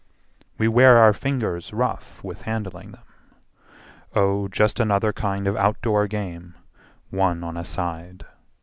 We wear our fingers rough with handling them. Oh, just another kind of out door game, One on a side.